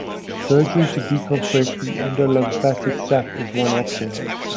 Surgery to decompress the endolymphatic sac is one option.